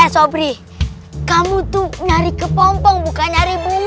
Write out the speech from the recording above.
sobri kamu tuh nyari kepompong bukan nyari bunga